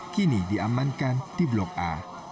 kini diamankan di blok a